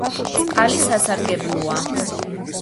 წყალი სასარგებლოა